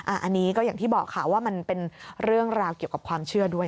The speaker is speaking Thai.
อันนี้ก็อย่างที่บอกค่ะว่ามันเป็นเรื่องราวเกี่ยวกับความเชื่อด้วย